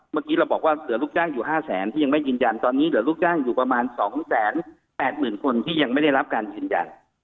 เมื่อกี้เราบอกว่าเหลือลูกจ้างอยู่๕แสนที่ยังไม่ยืนยันตอนนี้เหลือลูกจ้างอยู่ประมาณ๒๘๐๐๐คนที่ยังไม่ได้รับการยืนยัน